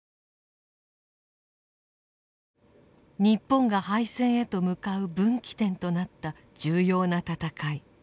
日本が敗戦へと向かう分岐点となった重要な戦い。